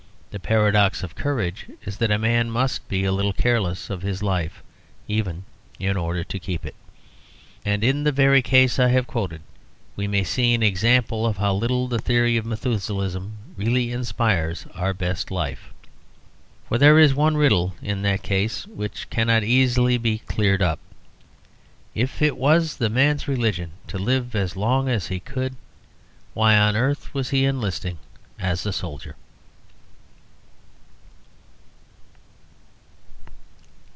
The paradox of courage is that a man must be a little careless of his life even in order to keep it. And in the very case I have quoted we may see an example of how little the theory of Methuselahism really inspires our best life. For there is one riddle in that case which cannot easily be cleared up. If it was the man's religion to live as long as he could, why on earth was he enlisting as a soldier?